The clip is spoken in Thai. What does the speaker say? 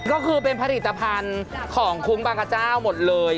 ก็คือเป็นผลิตภัณฑ์ของคุ้มบางกระเจ้าหมดเลย